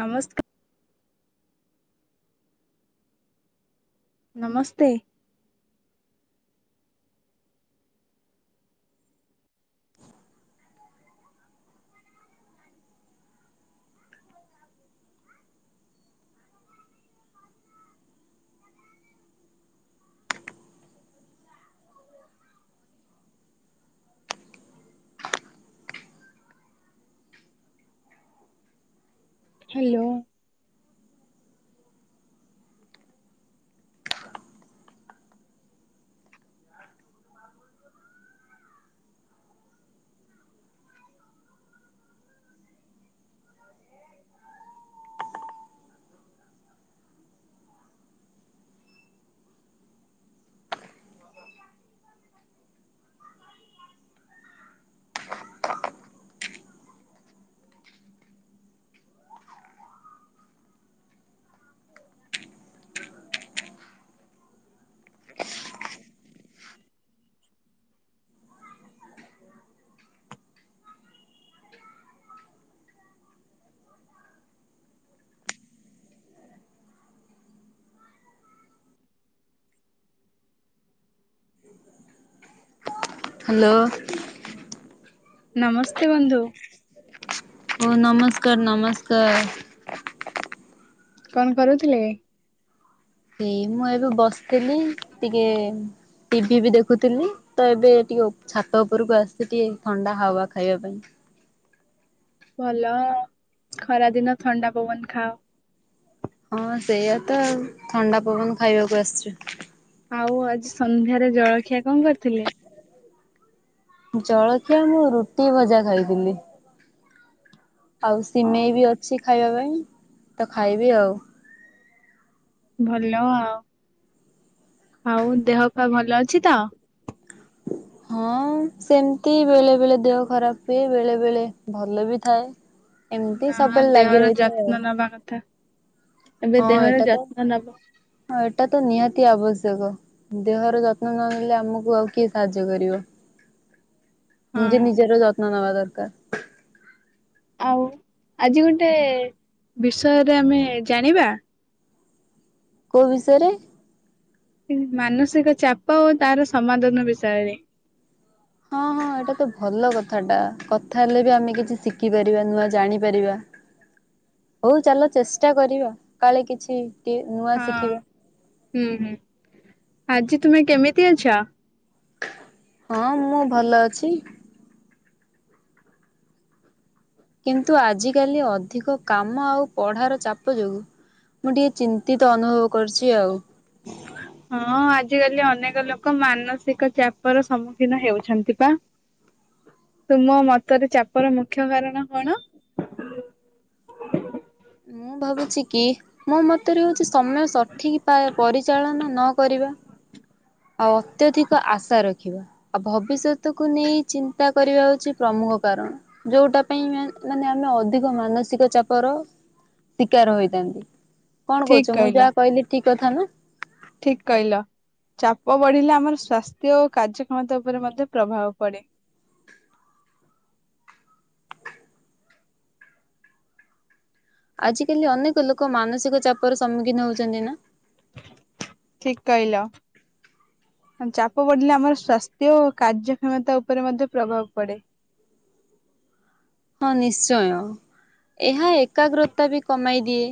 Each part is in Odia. ନମସ୍କା ନମସ୍ତେ! [unintelligible] ହ୍ୟାଲୋ! ହାଲୋ! ନମସ୍ତେ ବନ୍ଧୁ। ହଉ ନମସ୍କାର ନମସ୍କାର! କଣ କରୁଥିଲେ? ହେଇ ମୁଁ ଏବେ ବସିଥିଲି ଟିକେ ଟିଭି ବି ଦେଖୁଥିଲି! ତ ଏବେ ଟିକେ ଛାତ ଉପରକୁ ଆସିଚି ଟିକେ ଥଣ୍ଡା ହାୱା ଖାଇବା ପାଇଁ। ଭଲ ଖରା ଦିନ ଥଣ୍ଡା ପବନ ଖାଅ। ହଁ ସେଇଆତ ଆଉ! ଥଣ୍ଡା ପବନ ଖାଇବାକୁ ଆସିଚୁ। ଆଉ ଆଜି ସନ୍ଧ୍ୟାରେ ଜଳଖିଆ ଙ୍କ କରିଥିଲେ। ଜଳଖିଆ ମୁଁ ରୁଟି ଭଜା ଖାଇଥିଲି। ଆଉ ଅ ସିମେଇ ବି ଅଛି ଖାଇବା ପାଇଁ ତ ଖାଇବି ଆଉ ଭଲ ଆଉ ଆଉ ଦେହ ଫେଅ ଭଲ ଅଛି ତ? ହଁ ସେମିତି ବେଳେ ବେଳେ ଦେହ ଖରାପ ହୁଏ ବେଳେ ବେଳେ ଭଲ ବି ଥାଏ ଏମିତି ନା ସବୁବେଳେ ଲାଗି ଦେହର ରହିଥାଏ ଆଉ ଯତ୍ନ ନବା କଥା। ଏବେ ହଁ ଦେହର ଏଇଟା ତ ଯତ୍ନ ନବ ହଁ ଏଇଟା ତ ନିହାତି ଆବଶ୍ୟକ। ଦେହର ଯତ୍ନ ନ ନେଲେ ଆମକୁ ଆଉ କିଏ ସାହାଯ୍ୟ କରିବ। ନିଜେ ହଁ ନିଜର ଯତ୍ନ ନବା ଦରକାର। ଆଉ ଆଜି ଗୋଟେ ବିଷୟରେ ଆମେ ଜାଣିବା। କୋଉ ବିଷୟରେ? ମାନସିକ ଚାପ ଓ ତାର ସମାଧାନ ବିଷୟରେ ହଁ ହଁ ଏଇଟା ତ ଭଲ କଥାଟା କଥା ହେଲେ ବି ଆମେ କିଛି ଶିଖିପାରିବା ନୂଆ ଜାଣିପାରିବା [unintelligible] ହଉ ଚାଲ ଚେଷ୍ଟା କରିବା କାଳେ କିଛି ଟିକେ ନୂଆ ହଁ ଶିଖିବା ହୁଁ ହୁଁ ଆଜି ତୁମେ କେମିତି ଅଛ? ହଁ ମୁଁ ଭଲ ଅଛି କିନ୍ତୁ ଆଜିକାଲି ଅଧିକ କାମ ଆଉ ପଢ଼ାର ଚାପ ଯୋଗୁଁ ମୁଁ ଟିକେ ଚିନ୍ତିତ ଅନୁଭବ କରୁଛି ଆଉ। [unintelligible] ହଁ ଆଜିକାଲି ଅନେକ ଲୋକ ମାନସିକ ଚାପ ର ସମ୍ମୁଖୀନ ହେଉଛନ୍ତି ପା। ତୁମ ମତରେ ଚାପର ମୁଖ୍ୟ କାରଣ କଣ? ମୁଁ ଭାବୁଛି କି ମୋ ମତରେ ହଉଛି ସମୟ ସଠିକ ପରିଚାଳନା ନ କରିବା ଆଉ ଅତ୍ୟଧିକ ଆଶା ରଖିବା ଆଉ ଭବିଷ୍ୟତକୁୁ ନେଇ ଚିନ୍ତା କରିବା ହଉଛି ପ୍ରମୁଖ କାରଣ। ଯୋଉଟା ପାଇଁ ମାନେ ଆମେ ଅଧିକ ମାନସିକ ଚାପର ଶିକାର ହୋଇଥାନ୍ତି କଣ ଠିକ୍ କହୁଛ ମୁଁ ଯାହା କହିଲି ଠିକ କଥା ନା? ଠିକ କହିଲ ଚାପ ବଢିଲେ ଆମର ସ୍୍ୱାସ୍ଥ୍ୟ ଓ କାର୍ଯ୍ୟକ୍ଷମତା ଉପରେ ମଧ୍ୟ ପ୍ରଭାବ ପଡେ। ଆଜିକାଲି ଅନେକ ଲୋକ ମାନସିକ ଚାପର ସମ୍ମୁଖୀନ ହଉଛନ୍ତି ନା? ଠିକ କହିଲ ଚାପ ପଡିଲେ ଆମର ସ୍ଵାସ୍ଥ୍ୟ ଓ କାର୍ଯ୍ୟକ୍ଷମତା ଉପରେ ମଧ୍ୟ ପ୍ରଭାବ ପଡେ। ହଁ ନିଶ୍ଚୟ ଏହା ଏକାଗ୍ରତା ବି କମାଇ ଦିଏ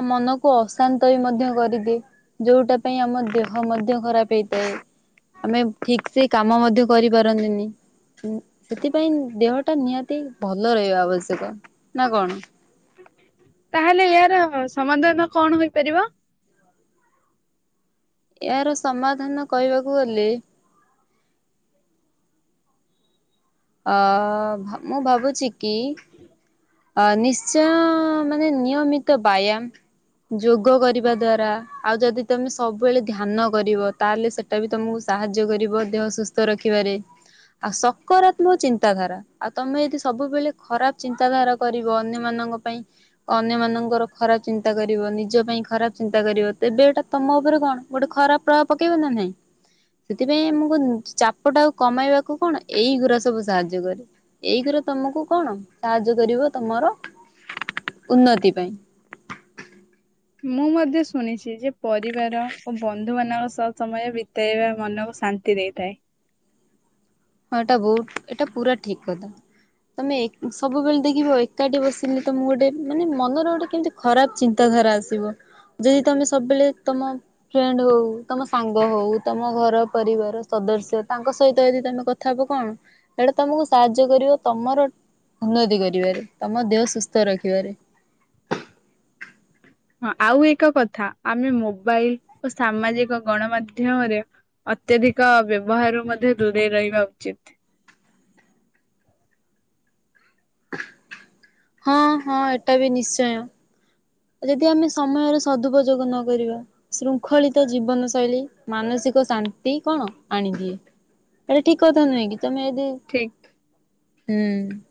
ଆଉ ମନକୁ ଅସ ଶାନ୍ତ ବି ମଧ୍ୟ କରିଦିଏ ଯୋଉଟା ପାଇଁ ଆମ ଦେହ ମଧ୍ୟ ଖରାପ ହେଇଥାଏ। ଆମେ ଠିକ ସେ କାମ ମଧ୍ୟ କରିପାରନ୍ତିନି ଉଁ ସେଥିପାଇଁ ଦେହଟା ନିହାତି ଭଲ ରହିବା ଆବଶ୍ୟକ ନା କଣ? ତାହେଲେ ଏହାର ସମାଧ କଣ ହୋଇପାରିବ? ଏହାର ସମାଧାନ କହିବାକୁ ଗଲେ ଅ ମୁଁ ଭାବୁଛି କି ଅ ନିଶ୍ଚୟ ମାନେ ନିୟମିତ ବ୍ୟାୟାମ ଯୋଗ କରିବା ଦ୍ଵାରା ଆଉ ଯଦି ତମେ ସବୁବେଳେ ଧ୍ୟାନ କରିବ ତାହେଲେ ସେ ସେଟା ବି ତମକୁ ସାହାଯ୍ୟ କରିବ ଦେହ ସୁସ୍ଥ ରଖିବାରେ। ଆଉ ସକାରାତ୍ମକ ଚିନ୍ତାଧାରା ଆଉ ତମେ ଯଦି ସବୁବେଳେ ଖରାପ ଚିନ୍ତାଧାରା କରିବ ଅନ୍ୟ ମାନଙ୍କ ପାଇଁ ଅନ୍ୟମାନାନଙ୍କର ଖରାପ ଚିନ୍ତା କରିବ ନିଜ ପାଇଁ ଖରାପ ଚିନ୍ତା କରିବ ତେବେ ଏଟା ତମ ଉପରେ କଣ ଗୋଟେ ଖରାପ ପ୍ରଭାବ ପକେଇବ ନା ନାଇଁ? ସେଥିପାଇଁ ଆମକୁ ଚାପ ଟାକୁ କମେଇବାକୁ କଣ ଏଇ ଗୁରା ସବୁ ସାହାଯ୍ୟ କରେ। ଏଇ ଗୁରା ତମକୁ କଣ ସାହାଯ୍ୟ କରିବ ତମର ଉନ୍ନତି ପାଇଁ। ମୁଁ ମଧ୍ୟ ଶୁଣିଛି ଯେ ପରିବାର ଓ ବନ୍ଧୁ ମାନଙ୍କ ସହ ସମୟ ବି ତେଇବା ମନକୁ ଶାନ୍ତି ଦେଇଥାଏ। ହଁ ଏଇଟା ବହୁତ ଏଟା ପୁରା ଠିକ କଥା। ତମେ ଏକ୍ ସବୁବେଳେ ଦେଖିବ ଏକାଠି ବସିଲେ ତମକୁ ଗୋଟେ ମାନେ ମନର ଗୋଟେ କେମତି। ଖରାପ ଚିନ୍ତାଧାରା ଆସିବ ଯଦି ତମେ ସବୁବେଳେ ତମ। ଫ୍ରେଣ୍ଡ ହଉ ତମ ସାଙ୍ଗ ହଉ ତମ ଘର ପରିବାର ସଦସ୍ୟ ତାଙ୍କ ସହିତ ଯଦି ତମେ କଥା। ଥାବୁ କଣ ଏଇଟା ତମକୁ ସାହାଯ୍ୟ କରିବ ତମର। ଉନ୍ନତି କରିବାରେ ତମ ଦେହ ସୁସ୍ଥ ରଖିବାରେ। ହଁ ଆଉ ଏକ କଥା ଆମେ ମୋବାଇଲ ଓ ସାମାଜିକ ଗଣମାଧ୍ୟମରେ। ଅତ୍ୟଧିକ ବ୍ୟବହାର ମଧ୍ୟ ଦୂରେଇ ରହିବା ଉଚିତ୍। ହଁ ହଁ ଏଟା ବି ନିଶ୍ଚୟ। ଯଦି ଆମେ ସମୟର ସଦୁପଯୋଗ ନ କରିବା। ଶୃଙ୍ଖଳିତ ଜୀବନ ଶୈଳୀ ମାନସିକ ଶାନ୍ତି କଣ ଆଣିଦିଏ। ଏଇଟା ଠିକ କଥା ନୁହଁ କି ତମେ ଯଦି। ଠିକ୍। ହୁଁ।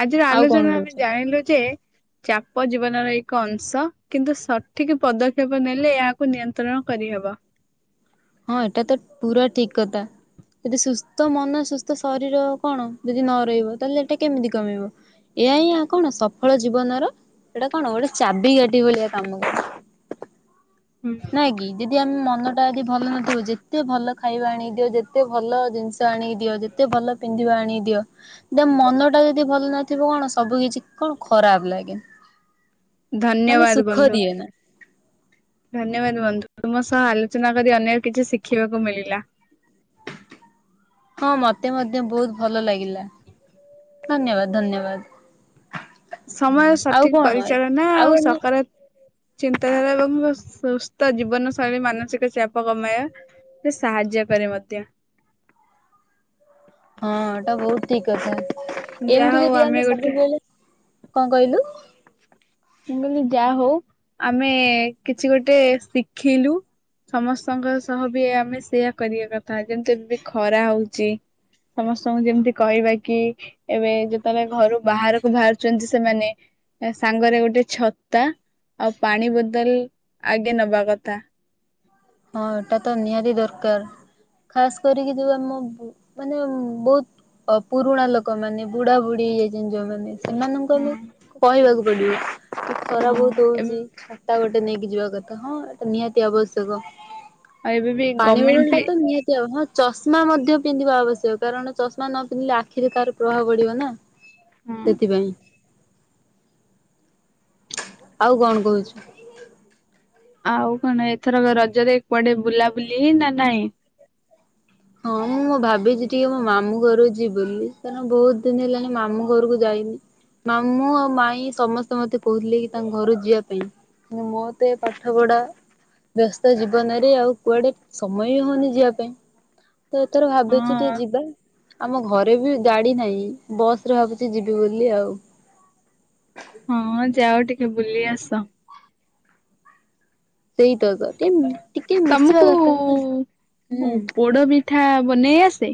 ଆଜିର ଆଉ କଣ ଆଲୋଚନା ରେ ଆମେ କହୁଛ ଜାଣିଲୁ ଯେ‌। ଚାପ ଜୀବନର ଏକ ଅଂଶ କିନ୍ତୁ ସଠିକ ପଦକ୍ଷେପ ନେଲେ ଏହାକୁ ନିୟନ୍ତ୍ରଣ କରିହେବ। ହଁ ଏଟା ତ ପୁରା ଠିକ କଥା। ଯଦି ସୁସ୍ଥ ମନ ସୁସ୍ଥ ଶରୀର କଣ ଯଦି ନ ରହିବ ତାହେଲେ ଏଇଟା କେମିତି କମେଇବ। ଏୟା ହିଁ ଆ କଣ ସଫଳ ଜୀବନର ଏଇଟା କଣ ଗୋଟେ ଚାବି କାଠି ଭଳିଆ କାମ କରେ। ହୁଁ। ନା କି ଯଦି ଆମ ମନଟା ଯଦି ଭଲ ନଥିବ ଯେତେ ଭଲ ଖାଇବା ଆଣିକି ଦିଅ ଯେତେ ଭଲ ଜିନିଷ ଆଣିକି ଦିଅ ଯେ ଯେତେ ଭଲ ପିନ୍ଧିବା ଆଣିକି ଦିଅ। ତମ ମନ ଟା ଯଦି ଭଲ ନଥିବ କଣ ସବୁ କିଛି କଣ ଖରାପ ଲାଗେ। ମାନେ ଧନ୍ୟବାଦ ସୁଖ ବନ୍ଧୁ। ଦିଏ ନା ଧନ୍ୟବାଦ ବନ୍ଧୁ ତୁମ ସହ ଆଲୋଚନା କରି ଅନେକ କିଛି ଶିଖିବାକୁ ମିଳିଲା। ହଁ ମତେ ମଧ୍ୟ ବହୁତ ଭଲ ଲାଗିଲା। ଧନ୍ୟବାଦ ଧନ୍ୟବାଦ। ସମୟ ର ଆଉ ସଠିକ କଣ ପରିଚାଳନା ଆଉ ସକରାତ୍ ଚିନ୍ତାଧାରା ଏବଂ ମ ସୁସ୍ଥ ଜୀବନ ଶୈଳୀ ମାନସିକ ଚାପ କମାଇବା। ରେ ସାହାଯ୍ୟ କରେ ମଧ୍ୟ। ହଁ ଏଟା ବହୁତ ଠିକ କଥା ଯାହା ଏମତି ହଉ ଯଦି ଆମେ ଗୋଟେ ସବୁ ବେଳେ କଁ କହିଲୁ। ମୁଁ କହିଲି ଯା ହଉ ଆମେ କିଛି ଗୋଟେ ଶିଖିଲୁ। ସମସ୍ତଙ୍କ ସହ ବି ଆମେ ସେଇୟା କରିବା କଥା ଯେମିତି ଏବେ ଖରା ହଉଛି। ସମସ୍ତଙ୍କୁ ଯେମିତି କହିବା କି। ଏବେ ଯେତେବେଳେ ଘରୁ ବାହାରକୁ ବାହାରୁଛନ୍ତି ସେମାନେ ସାଙ୍ଗରେ ଗୋଟେ। ଯୋଉଛତା ଆଉ ପାଣି ବୋତଲ ଆଗେ ନବା କଥା। ହଁ ଏଟା ତ ନିହାତି ଦରକାର ଖାସ କରିକି ଯୋଉ ଆମ ବୁ ମାନେ ବହୁତ ଅ ପୁରୁଣା ଲୋକ ମାନେ ବୁଢା ବୁଢୀ ହେଇ ଛନ୍ତି ଯୋଉ ମାନେ ସେମାନଙ୍କୁ ହୁଁ। ଆମେ କହିବାକୁ ପଡିବ କି ଖରା ହଁ ବହୁତ ଏବେ ହଉଛି ଛତା ଗୋଟେ। ଗୋଟେ ନେଇକି ଯିବା କଥା ହଁ ଏଟା ନିହାତି ଆବଶ୍ୟକ। ଆଇବେ। ପାଣି ବଟଲଟା ତ ନିହାତି ହଁ, ଚଷମା ମଧ୍ୟ ପିନ୍ଧିବା ଆବଶ୍ୟକ। କାରଣ ଚଷମା ନ ପିନ୍ଧିଲେ ଆଖିରେ ତାର ପ୍ରଭାବ ପଡିବ ନା। ହଁ ସେଥିପାଇଁ ଆଉ କଣ କହୁଛୁ? ଆଉ କଣ ଏଥର ରଜରେ କୁଆଡେ ବୁଲାବୁଲି ହେଇ ନା ନାଇଁ? ହଁ ମୁଁ ମୁଁ ଭାବିଛି ଟିକେ ମୋ ମାମୁଁ ଘରୁ ଯିବି ବିଲି। କାରଣ ବହୁତ ଦିନ ହେଲାଣି ମାମୁଁ ଘରକୁ ଯାଇନି। ମାମୁଁ ଆଉ ମାଇଁ ସମସ୍ତେ ମତେ କହୁଥିଲେ କି ତାଙ୍କ ଘରୁ ଯିବା ପାଇଁ। ମୋତେ ପାଠ ପଢା ବ୍ୟସ୍ତ ଜୀବନରେ, ଆଉ କୁଆଡେ ସମୟ ବି ହଉନି ଯିବା ପାଇଁ। ତ ଏଥର ଭାବିଛି ଟିକେ ହଁ ଯିବା। ଆମ ଘରେ ବି ଗାଡି ନାହିଁ, ବସରେ ଭାବୁଛି ଯିବି ବୋଲି ଆଉ। ହଁ ମଁ ଯାଅ ଟିକେ ବୁଲି ଆସ। ସେଇ ତ ଟିକେ ଟିକେ ମିଶିବା ତମକୁ ଦରକାର ନା ହୁଁ। ପୋଡ ପିଠା ବନେଇ ଆସେ।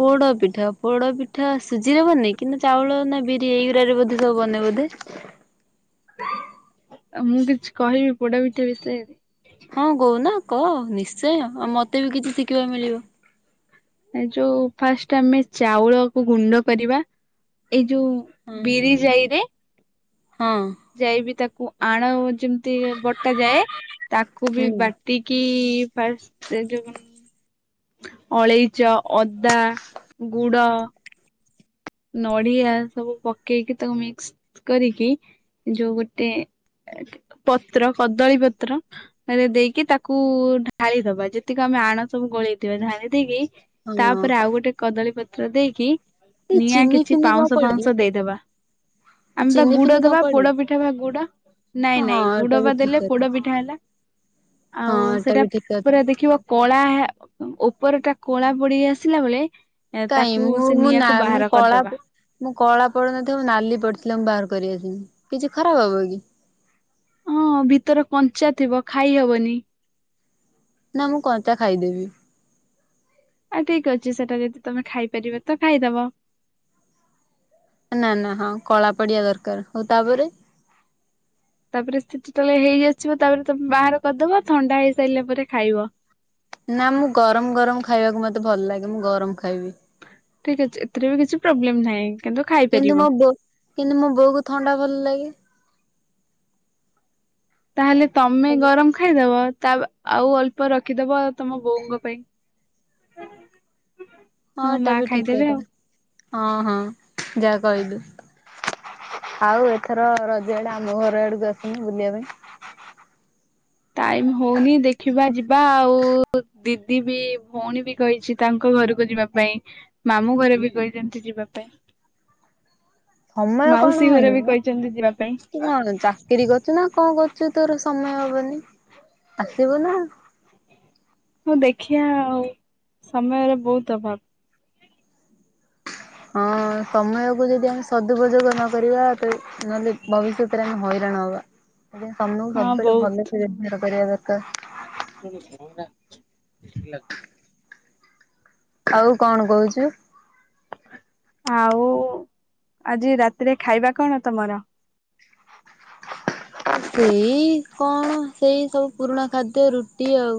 ପୋଡପିଠା। ପୋଡପିଠା ସୁଜିରେ ବନେ କି ନା ଚାଉଳ ନା ବିରି, ଏଇଗୁରାରେ ବୋଧେ ସବୁ ବନେ ବୋଧେ। ଆଉ ମୁଁ କିଛି କହିବି, ପୋଡ ପିଠା ବିଷୟରେ। ହଁ କଉନ କହ। ନିଶ୍ଚୟ। ଆଉ ମତେ ବି କିଛି ଶିଖିବାକୁ ମିଳିବ। ଏ ଯୋଉ ଫାଷ୍ଟ ଆମେ ଚାଉଳକୁ ଗୁଣ୍ଡ କରିବା। ଏଇ ଯୋଉ ହଁ ବିରି ଜାଇରେ ହଁ। ଜାଇ ବିି ତାକୁ ଆଣ ଯେମିତି ବଟାଯାଏ, ତାକୁ ବି ହୁଁ ବା ଟିକି ଫାଷ୍ଟ ଯୋଉ ଅଳେଇଚ, ଅଦା, ଗୁଡ ନଡିଆ ସବୁ ପକେଇକି ତାକୁ ମିକ୍ସ କରିକି ଯୋଉ ଗୋଟେ ପତ୍ର କଦଳୀ ପତ୍ର ରେ ଦେଇକି ତାକୁ ଢାଳି ଦବା। ଯେତିକି ଆମେ ଆଣ ସବୁ ଗୋଳେଇ ଥିବା, ଢାଳି ଦେଇକି ତା ହଁ ଉପରେ ଆଉ ଗୋଟେ କଦଳୀ ପତ୍ର ଦେଇକି ଏଇ ନିଆଁ ଚିନି କିଛି ଫିନି କଣ ପାଉଁଶ ପଡେ କି ଫାଉଁଶ ଦେଇଦବା। ଆମେ ବି ଚିନି ଗୁଡେଇ ଫିନି କଣ ଦବା ପଡେ ପୋଡ ପିଠାକୁ ପୁରା। ନାଇଁ କି ହଁ ନାଇଁ ଏଟା ଗୁଡ ବି ବା ଠିକ ଦେଲେ କଥା ପୋଡ ପିଠା ହେଲା। ଆଉ ହଁ ଏଟା ବି ସେଟା ଠିକ କଥା ପୁରା ଦେଖିବ କଳା ଓପରଟା କଳା ପଡି ଆସିଲା ବେଳେ କାଇ ତାକୁ ମୁଁ ସେ ମୁଁ ନିଆଁକୁ ନା ମୁଁ ବାହାର କଳା କରିଦବା ମୁଁ କଳା ପଡି ନ ଥିଲା, ନାଲି ପଡିଥିଲା ମୁଁ ବାହାର କରି ଆସିବି, କିଛି ଖରାପ ହବ କି? ହୁଁ, ଭିତର କଞ୍ଚା ଥିବ, ଖାଇ ହବନି। ନା ମୁଁ କଞ୍ଚା ଖାଇଦେବି। ଆ ଠିକ୍ ଅଛି। ସେଟା ଯଦି ତମେ ଖାଇପାରିବ ତ ଖାଇଦବ। ନା ନା। ହଁ, କଳା ପଡିବା ଦରକାର। ତା ପରେ ସେଠି ତା ହେଲେ ହେଇ ଆସିବ। ତା ପରେ ତାକୁ ବାହାର କରିଦବ। ଥଣ୍ଡା ହେଇସାରିଲା ପରେ ଖାଇବ। ନା ମୁଁ ଗରମ ଗରମ ଖାଇବାକୁ ମତେ ଭଲ ଲାଗେ। ମୁଁ ଗରମ ଖାଇବି। ଠିକ୍ ଅଛି। ଏଥିରେ ବି କିଛି ପ୍ରୋବ୍ଲେମ୍ ନାହିଁ। କିନ୍ତୁ କିନ୍ତୁ ଖାଇପାରିବ। ମୋ ବୋ କିନ୍ତୁ ମୋ ବୋଉକୁ ଥଣ୍ଡା ଭଲ ଲାଗେ। ତା ହେଲେ ତମେ ଗରମ ଖାଇଦବ। ତା ଆଉ ଅଳ୍ପ ରଖିଦବ, ତମ ବୋଉଙ୍କ ପାଇଁ। ହଁ ମୋ ଏଟା ମା ବି ଠିକ ଖାଇଦବ। କଥା ହଁ ହଁ, ଯାହା କହିଲୁ। ଆଉ ଏଥର ରଜ ଆଡେ ଆମ ଘର ଆଡକୁ ଆସନୁ ବୁଲିବା ପାଇଁ। ଟାଇମ୍ ହଉନି ଦେଖିବା ଯିବା ଆଉ। ଦି ଦିଦି ବି ଭଉଣୀ ବି କହିଚି ତାଙ୍କ ଘରୁକୁ ଯିବା ପାଇଁ ମାମୁଁ ଘରେ ବି କହିଚନ୍ତି ଯିବା ପାଇଁ। ସମୟ କଣ ମାଉସୀ ଘରେ ହଉନି ବି ମ। କହିଚନ୍ତି ଯିବା ପାଇଁ। ତୁ କଣ ଚାକିରି କରୁଚୁ ନା କଣ କରୁଚୁ ତୋର ସମୟ ହବନି ଆସିବୁ ନା। ହଉ ଦେଖିଆ ଆଉ ସମୟରେ ବହୁତ୍ ଅଭାବ। ହଁ ସମୟକୁ ଯଦି ଆମେ ସଦୁପଯୋଗ ନ କରିବା ନହେଲେ ଭବିଷ୍ୟତରେ ଆମେ ହଇରାଣ ହବା। ସେଥିପାଇଁ ସମୟକୁ ହଁ ସବୁବେଳେ ଭଲେ। ବହୁତ। [unintelligible] [unintelligible] ଆଉ କଣ କହୁଚୁ? ଆଉ ଆଜି ରାତିରେ ଖାଇବା କଣ ତମର? ସେଇ କଣ ସେଇ ସବୁ ପୁରୁଣା ଖାଦ୍ୟ ରୁଟି ଆଉ।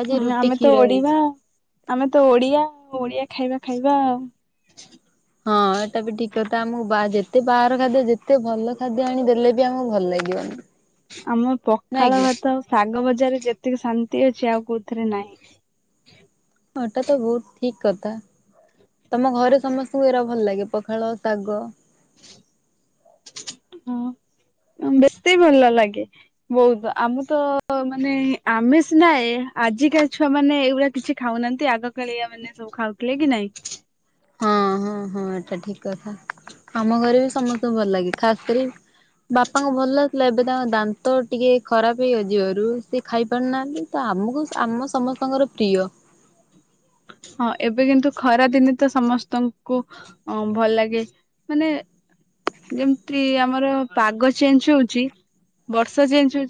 ଆଜି ହୁଁ, ରୁଟି ଆମେ ତ କ୍ଷୀର ଓଡିିବା ହେଇଛି। ଆମେ ତ ଓଡିଆ ଓଡିଆ ଖାଇବା ଖାଇବା ଆଉ। ହଁ ଏଇଟା ବି ଠିକ୍ କଥା, ଆମୁକୁ ବା ଯେତେ ବାହାର ଖାଦ୍ୟ ଯେତେ ଭଲ ଖାଦ୍ୟ ଆଣି ଦେଲେ ବି ଆମୁକୁ ଭଲ ଲାଗିବନି। ହ ଆମ ନାଇଁ ପଖାଳ କି ଭାତ ଆଉ ଶାଗ ବଜାରେ ଯେତିକି ଶାନ୍ତି ଅଛି ଆଉ କୋଉଥିରେ ନାହିଁ। ହଁ ଏଟା ତ ବହୁତ୍ ଠିକ୍ କଥା। ତମ ଘରେ ସମସ୍ତଙ୍କୁ ଏଇରା ଭଲ ଲାଗେ ପଖାଳ, ଶାଗ। ହଁ, ବେତୀ ଭଲ ଲାଗେ। ବୋହୁତ୍, ଆମ ତ ମାନେ ଆମେ ସିନା ଆଜିକା ଛୁଆ ମାନେ ଏଇଭଳିଆ କିଛି ଖାଉନାହାନ୍ତି ଆଗକାଳିଆ ମାନେ ସବୁ ଖାଉଥିଲେ କି ନାଇଁ? ହଁ ହଁ ହଁ, ଏଇଟା ଠିକ୍ କଥା। ଆମ ଘରେ ବି ସମସ୍ତଙ୍କୁ ଭଲ ଲାଗେ ଖାସ୍ କରି ବାପାଙ୍କୁ ଭଲ ଲାଗୁଥିଲା ଏବେ ତାଙ୍କ ଦାନ୍ତ ଟିକେ ଖରାପ ହେଇଅଜିବାରୁ ସେ ଖାଇ ପାରୁ ନାହାନ୍ତି। ତ ଆମୁକୁ ଆମ ସମସ୍ତଙ୍କର ପ୍ରିୟ। ହଁ, ଏବେ କିନ୍ତୁ ଖରା ଦିନେ ତ ସମସ୍ତଙ୍କୁ ହଁ ଭଲ ଲାଗେ, ମାନେ ଯେମିତି ଆମର ପାଗ ଚେଞ୍ଜ ହଉଚି, ବର୍ଷା ଚେଞ୍ଜ ହଉଚି